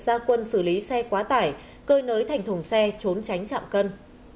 gia quân xử lý xe quá tải cơi nới thành thùng xe trốn tránh chạm cân